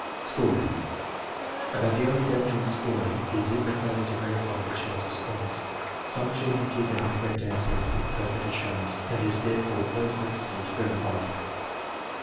Scoring. About the only danger in scoring is in the failure to verify the child's response. Some children give an incorrect answer with perfect assurance, and it is therefore always necessary to verify.